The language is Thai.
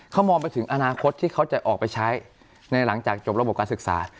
เขามองไปถึงอนาคตที่เขาจะออกไปใช้ในหลังจากจบระบบการศึกษา